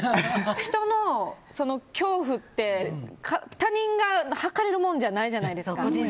人の恐怖って他人が計れるものじゃないじゃないですか。